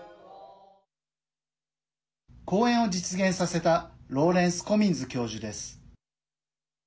公演を実現させたローレンス・コミンズ教授です。